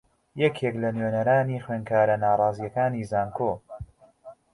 یەکێک لە نوێنەرانی خوێندکارە ناڕازییەکانی زانکۆ